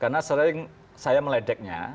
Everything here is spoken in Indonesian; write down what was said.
karena sering saya meledeknya